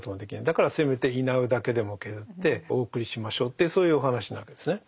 だからせめてイナウだけでも削ってお送りしましょうってそういうお話なわけですね。